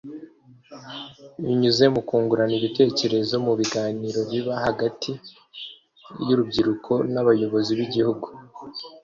binyuze mu kungurana ibitekerezo mu biganiro biba hagati y’urubyiruko n’abayobozi b’igihugu